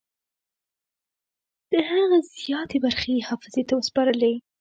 د هغه زیاتې برخې یې حافظې ته وسپارلې.